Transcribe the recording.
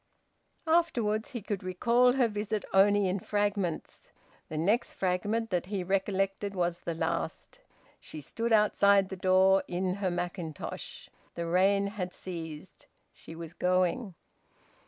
Afterwards, he could recall her visit only in fragments. The next fragment that he recollected was the last. She stood outside the door in her mackintosh. The rain had ceased. She was going.